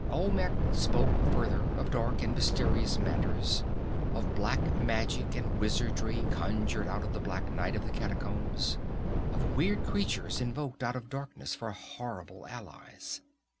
Olmec spoke further, of dark and mysterious matters, of black magic and wizardry conjured out of the black night of the catacombs, of weird creatures invoked out of darkness for horrible allies.